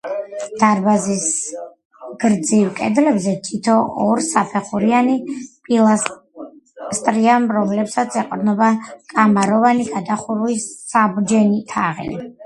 დარბაზის გრძივ კედლებზე თითო ორსაფეხურიანი პილასტრია, რომლებსაც ეყრდნობა კამაროვანი გადახურვის საბჯენი თაღი.